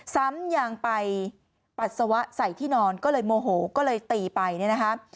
ซ้ำยังไปปัสสาวะใส่ที่นอนก็เลยโมโหก็เลยตีไปเนี่ยนะคะ